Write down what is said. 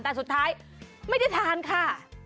แต่สุดท้ายไม่ได้ทานค่ะ